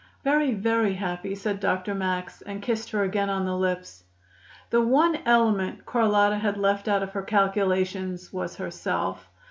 "Very, very happy," said Dr. Max, and kissed her again on the lips. The one element Carlotta had left out of her calculations was herself.